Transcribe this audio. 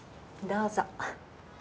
どうぞ。